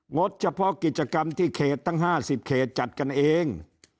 ดเฉพาะกิจกรรมที่เขตตั้ง๕๐เขตจัดกันเอง